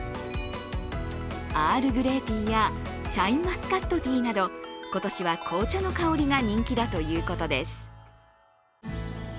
アールグレーティーやシャインマスカットティーなど今年は紅茶の香りが人気だということです。